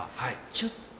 ちょっと。